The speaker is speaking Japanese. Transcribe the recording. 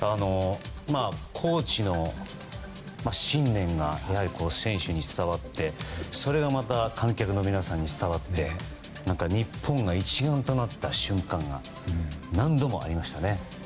コーチの信念が選手に伝わってそれが観客の皆さんに伝わって日本が一丸となった瞬間が何度もありましたね。